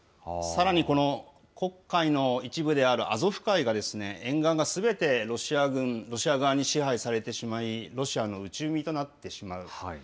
さらに、黒海の一部であるアゾフ海が、沿岸がすべてロシア軍、ロシア側に支配されてしまい、ロシアの内海となってしまう。